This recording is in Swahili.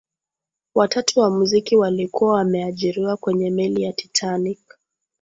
watatu wa muziki walikuwa wameajiriwa kwenye meli ya titanic